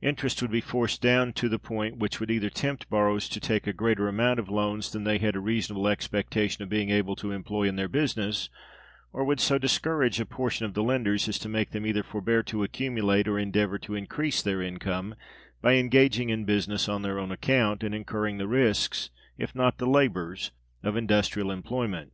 Interest would be forced down to the point which would either tempt borrowers to take a greater amount of loans than they had a reasonable expectation of being able to employ in their business, or would so discourage a portion of the lenders as to make them either forbear to accumulate or endeavor to increase their income by engaging in business on their own account, and incurring the risks, if not the labors, of industrial employment.